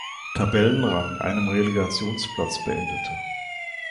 Tabellenrang, einem Relegationsplatz, beendete.